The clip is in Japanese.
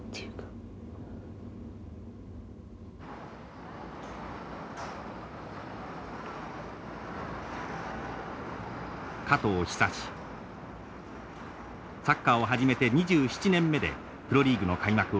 サッカーを始めて２７年目でプロリーグの開幕を迎えます。